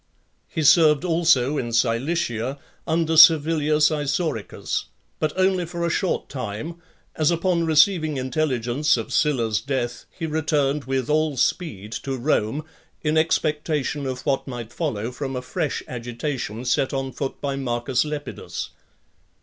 III. He served also in Cilicia , under Servilius Isauricus, but only for a short time; as upon receiving intelligence of Sylla's death, he returned with all speed to Rome, in expectation of what might follow from a fresh agitation set on foot by Marcus Lepidus.